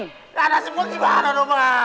gak ada semua gimana dong bang